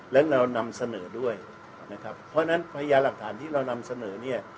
และเรานำเสนอด้วยนะครับเพราะฉะนั้นพญาหลักฐานที่เรานำเสนอเนี่ย